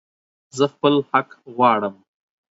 زه خپل حق غواړم